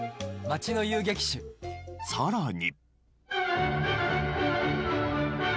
さらに。